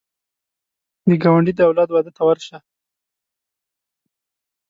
د ګاونډي د اولاد واده ته ورشه